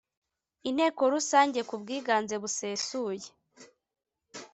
inteko rusange ku bwiganze busesuye